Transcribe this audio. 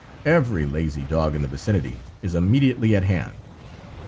Every lazy dog in the vicinity is immediately at hand.